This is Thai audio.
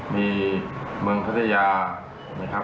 มีเมืองประเทศยา